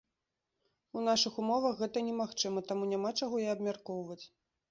У нашых умовах гэта немагчыма, таму няма чаго і абмяркоўваць.